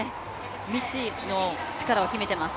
未知の力を秘めています。